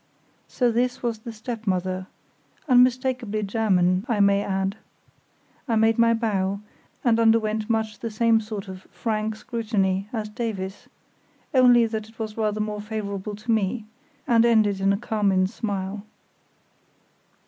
So this was the stepmother; unmistakably German, I may add. I made my bow, and underwent much the same sort of frank scrutiny as Davies, only that it was rather more favourable to me, and ended in a carmine smile.